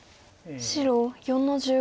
白４の十五。